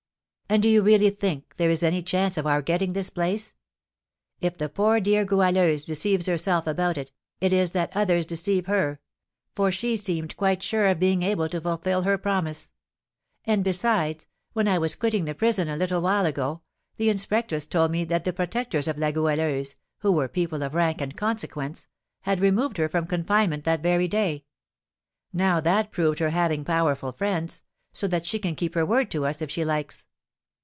"And do you really think there is any chance of our getting this place?" "If the poor dear Goualeuse deceives herself about it, it is that others deceive her; for she seemed quite sure of being able to fulfil her promises. And besides, when I was quitting the prison a little while ago, the inspectress told me that the protectors of La Goualeuse, who were people of rank and consequence, had removed her from confinement that very day. Now that proved her having powerful friends; so that she can keep her word to us if she likes."